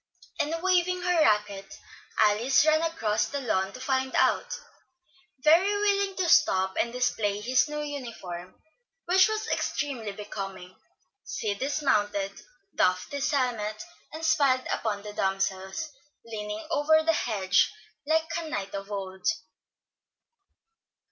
and waving her racquet, Alice ran across the lawn to find out. Very willing to stop and display his new uniform, which was extremely becoming, Sid dismounted, doffed his helmet, and smiled upon the damsels, leaning over the hedge like a knight of old.